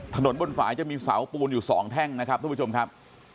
ถนนบนฝ่ายจะมีเสาปูนอยู่๒แท่งนะครับทุกผู้ชมครับ